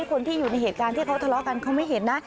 คนที่อยู่ในเหตุการณ์ที่เขาทะเลาะกันเขาไม่เห็นนะ